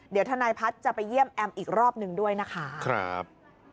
เดี๋ยวทนายพัฒน์จะไปเยี่ยมแอมอีกรอบหนึ่งด้วยนะคะครับ